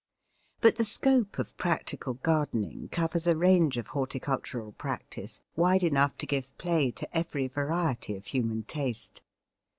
But the scope of practical gardening covers a range of horticultural practice wide enough to give play to every variety of human taste.